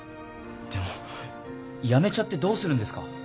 でも辞めちゃってどうするんですか？